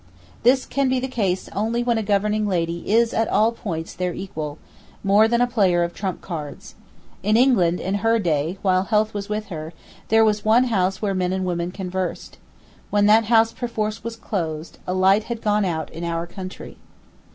This can be the case only when a governing lady is at all points their equal, more than a player of trump cards. In England, in her day, while health was with her, there was one house where men and women conversed. When that house perforce was closed, a light had gone out in our country.